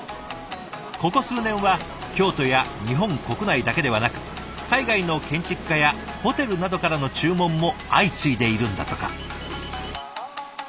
ここ数年は京都や日本国内だけではなく海外の建築家やホテルなどからの注文も相次いでいるんだとか。